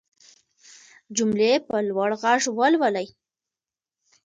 جملې په لوړ غږ ولولئ.